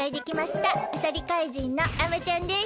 あさり怪人のあまちゃんです。